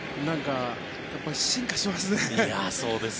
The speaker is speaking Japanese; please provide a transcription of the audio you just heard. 進化しますね。